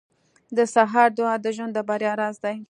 • د سهار دعا د ژوند د بریا راز دی.